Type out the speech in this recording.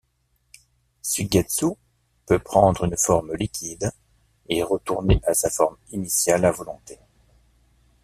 Suigetsu peut prendre une forme liquide et retourner à sa forme initiale à volonté.